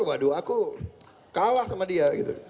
jadi kawah sama dia